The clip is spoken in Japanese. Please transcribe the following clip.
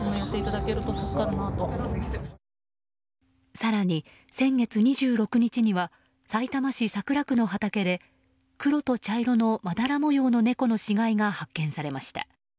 更に、先月２６日にはさいたま市桜区の畑で黒と茶色のまだら模様の猫の死骸が発見されました。